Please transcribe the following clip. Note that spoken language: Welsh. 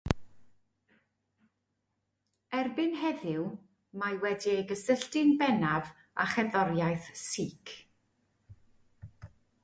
Erbyn heddiw mae wedi ei gysylltu'n bennaf â cherddoriaeth Sikh.